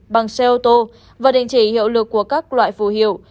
bằng xe ô tô và đình chỉ hiệu lực của các loại phù hiệu